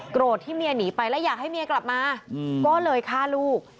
ที่เมียหนีไปแล้วอยากให้เมียกลับมาก็เลยฆ่าลูก